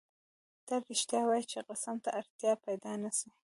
تل رښتیا وایه چی قسم ته اړتیا پیدا نه سي